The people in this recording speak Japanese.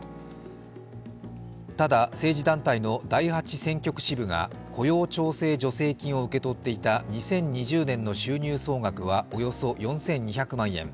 ただ、政治団体の第八選挙区支部が雇用調整助成金を受け取っていた２０２０年の収入総額はおよそ４２００万円。